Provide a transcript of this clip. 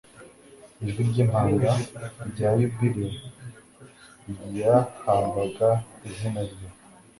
Ijwi ry'impanda rya Yubile ryahamvaga izina rye.